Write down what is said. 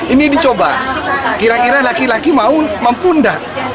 ini dicoba kira kira laki laki mampu tidak